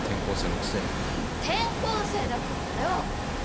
転校生だからだよ。